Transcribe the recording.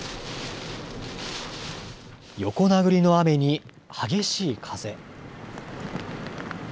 横殴りの雨に激しい風。